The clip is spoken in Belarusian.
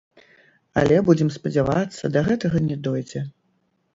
Але, будзем спадзявацца, да гэтага не дойдзе.